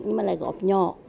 nhưng mà lại góp nhỏ